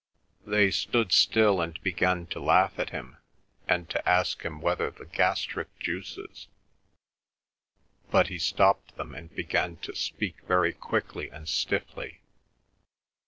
They stood still and began to laugh at him, and to ask him whether the gastric juices—but he stopped them and began to speak very quickly and stiffly.